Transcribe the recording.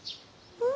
うん？